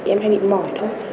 em hay bị mỏi thôi